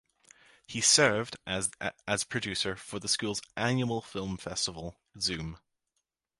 He served as a producer for the school's annual film festival, Zoom.